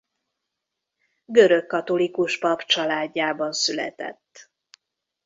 Görögkatolikus pap családjában született.